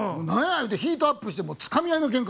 言うてヒートアップしてもうつかみ合いのけんか。